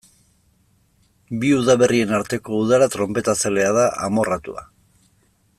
Bi udaberrien arteko udara tronpetazalea da, amorratua.